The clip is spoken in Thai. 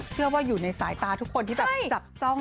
เชื่อว่าอยู่ในสายตาทุกคนที่แบบจับจ้อง